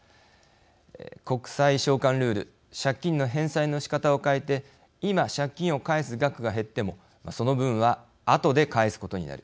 国債償還ルール借金の返済のしかたを変えて今、借金を返す額が減ってもその分は後で返すことになる。